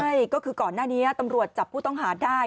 ใช่ก็คือก่อนหน้านี้ตำรวจจับผู้ต้องหาได้